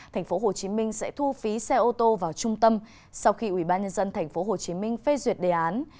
thành phố hồ chí minh sẽ thu phí xe ô tô vào trung tâm sau khi ủy ban nhân dân thành phố hồ chí minh phê duyệt đề án